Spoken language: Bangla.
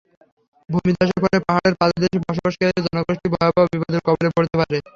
ভূমিধসের ফলে পাহাড়ের পাদদেশে বসবাসকারী জনগোষ্ঠী ভয়াবহ বিপদের কবলে পড়তে পারে।